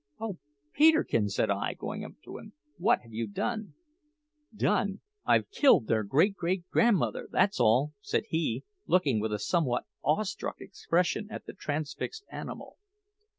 "Oh Peterkin!" said I, going up to him, "what have you done?" "Done? I've killed their great great grandmother, that's all," said he, looking with a somewhat awestruck expression at the transfixed animal.